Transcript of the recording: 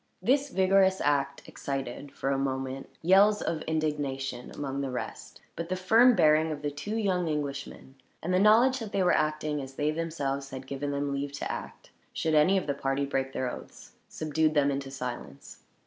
This vigorous act excited, for a moment, yells of indignation among the rest; but the firm bearing of the two young Englishmen, and the knowledge that they were acting as they themselves had given them leave to act, should any of the party break their oaths, subdued them into silence.